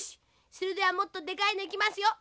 それではもっとでかいのいきますよ！